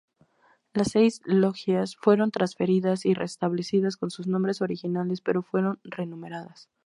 Las seis logias fueron transferidas y restablecidas con sus nombres originales, pero fueron re-numeradas.